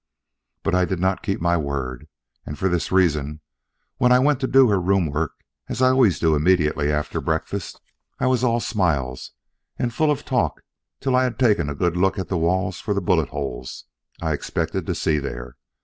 But I did not keep my word, and for this reason: When I went to do her room work as I always do immediately after breakfast, I was all smiles and full of talk till I had taken a good look at the walls for the bullet holes I expected to see there.